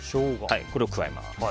これを加えます。